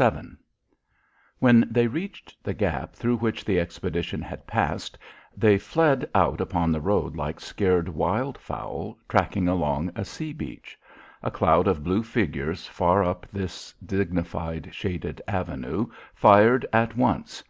VII When they reached the gap through which the expedition had passed, they fled out upon the road like scared wild fowl tracking along a sea beach. A cloud of blue figures far up this dignified shaded avenue, fired at once.